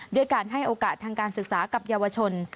ด้วยการให้โอกาสทางการศึกษากับเยาวชน